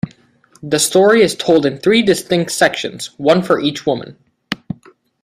The story is told in three distinct sections, one for each woman.